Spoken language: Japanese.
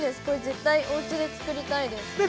これ、絶対おうちで作りたいです。